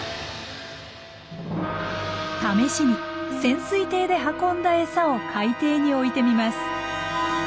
試しに潜水艇で運んだ餌を海底に置いてみます。